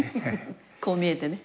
こう見えてね。